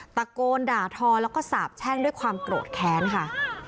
ตะโกนด่าทอแล้วก็สาบแช่งด้วยความโกรธแค้นค่ะ